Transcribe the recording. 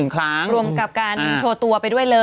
รวมกับการโชว์ตัวไปด้วยเลย